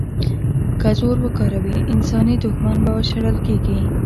که زور وکاروي، انساني دوښمن به شړل کېږي.